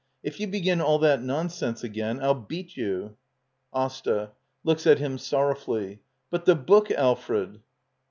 ] If you begin all that nonsense again, I'll beat you. AsTA. [Looks at him sorrowfully.] But the book, Alfred?